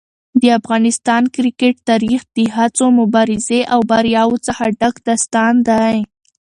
د افغانستان کرکټ تاریخ د هڅو، مبارزې او بریاوو څخه ډک داستان دی.